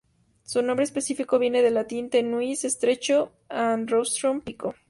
Su nombre específico viene del latín: "tenuis" "estrecho" and "rostrum" "pico".